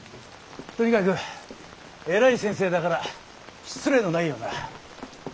とにかく偉い先生だから失礼のないようにな。